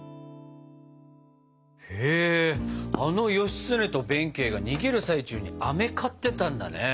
へえあの義経と弁慶が逃げる最中にあめ買ってたんだね。